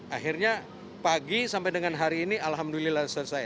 akhirnya pagi sampai dengan hari ini alhamdulillah selesai